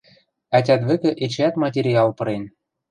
Ӓтят вӹкӹ эчеӓт материал пырен.